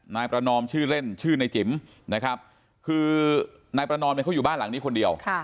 นายประนอมชื่อเล่นชื่อนายจิ๋มนะครับคือนายประนอมเนี่ยเขาอยู่บ้านหลังนี้คนเดียว